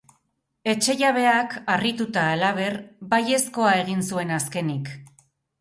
Etxe jabeak, harrituta halaber, baiezkoa egin zuen azkenik.